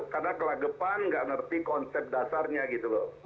karena kelagepan nggak ngerti konsep dasarnya gitu loh